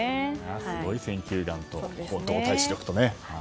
すごい選球眼と動体視力とね。